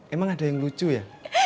emang ada yang lucu ya